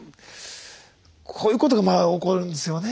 こういうことが起こるんですよね